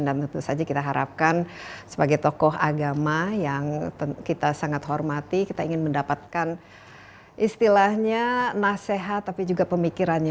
dan tentu saja kita harapkan sebagai tokoh agama yang kita sangat hormati kita ingin mendapatkan istilahnya nasihat tapi juga pemikirannya